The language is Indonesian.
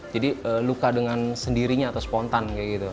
jadi luka dengan sendirinya atau spontan